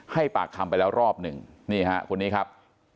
ให้ปากคำไปแล้วรอบหนึ่งคุณนี้ครับ